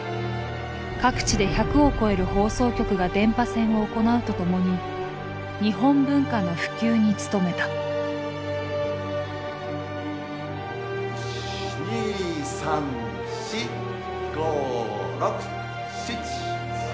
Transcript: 各地で１００を超える放送局が電波戦を行うとともに日本文化の普及に努めた１２３４５６７８。